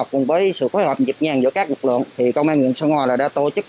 cùng với sự phối hợp nhịp nhàng giữa các lực lượng thì công an huyện sơn hòa đã tổ chức